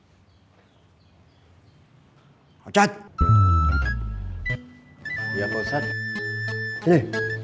hai ocet ya bosan ini